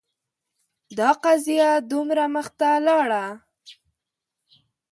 دا قضیه دومره مخته لاړه